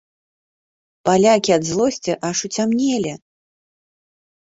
Палякі ад злосці аж уцямнелі.